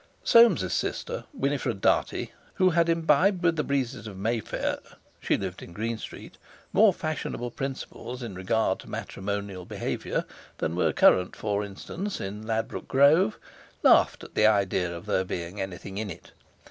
Soames's sister, Winifred Dartie, who had imbibed with the breezes of Mayfair—she lived in Green Street—more fashionable principles in regard to matrimonial behaviour than were current, for instance, in Ladbroke Grove, laughed at the idea of there being anything in it.